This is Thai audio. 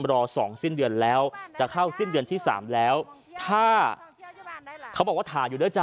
รอสองสิ้นเดือนแล้วจะเข้าสิ้นเดือนที่สามแล้วถ้าเขาบอกว่าถ่ายอยู่ด้วยจ้